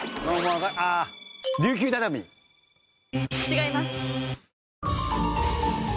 違います。